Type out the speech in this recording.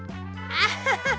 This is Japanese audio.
アハハハ